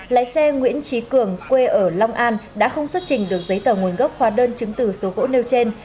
lái xe nguyễn trí cường quê ở long an đã không xuất trình được giấy tờ nguồn gốc hóa đơn chứng từ số gỗ nêu trên